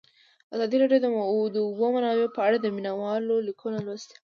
ازادي راډیو د د اوبو منابع په اړه د مینه والو لیکونه لوستي.